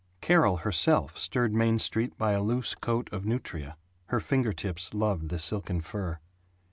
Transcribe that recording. Carol herself stirred Main Street by a loose coat of nutria. Her finger tips loved the silken fur.